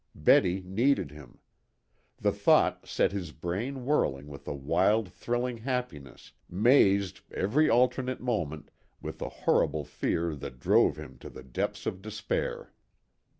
Betty needed him. The thought set his brain whirling with a wild thrilling happiness, mazed, every alternate moment, with a horrible fear that drove him to the depths of despair.